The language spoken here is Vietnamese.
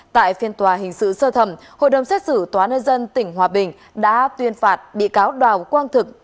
tại phiên tòa hình sự sơ thẩm hội đồng xét xử tòa nhân dân tỉnh hòa bình đã tuyên phạt bị cáo đào quang thực